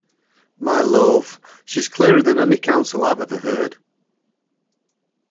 My love, she's clearer than any counsel I ever heard!